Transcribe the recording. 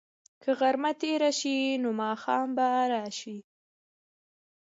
که غرمه تېره شي، نو ماښام به راشي.